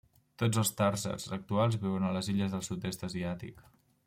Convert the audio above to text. Tots els tarsers actuals viuen a les illes del sud-est asiàtic.